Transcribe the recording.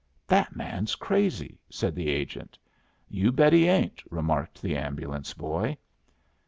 "That man's crazy," said the agent. "You bet he ain't!" remarked the ambulance boy.